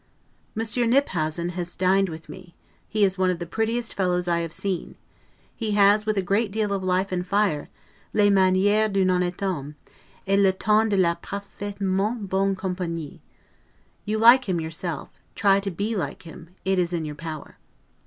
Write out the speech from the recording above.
Monsieur Kniphausen has dined with me; he is one of the prettiest fellows I have seen; he has, with a great deal of life and fire, 'les manieres d'un honnete homme, et le ton de la Parfaitement bonne compagnie'. You like him yourself; try to be like him: it is in your power.